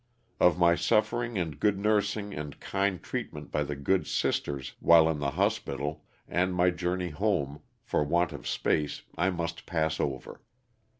Of my suffering and good nursing and kind treat ment by the good Sisters while in the hospital and my journey home, for want of space, I must pass over.